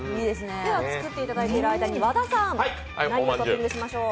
作っている間に和田さん、何をトッピングしましょう。